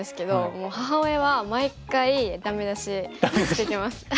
もう母親は毎回ダメ出ししてきます。